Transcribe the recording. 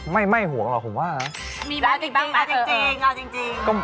ไม่ไม่ห่วงหรอผมว่ามีมันต้องเป็นตัวอย่างนั้น